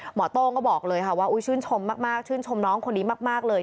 โต้งก็บอกเลยค่ะว่าชื่นชมมากชื่นชมน้องคนนี้มากเลย